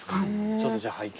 ちょっとじゃあ拝見。